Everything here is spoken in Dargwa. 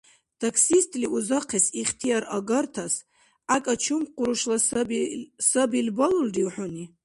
Таксистли узахъес ихтияр агартас гӀякӀа чум къурушла сабил балулрив хӀуни?!